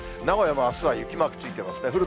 名古屋もあすは雪マークついてますね。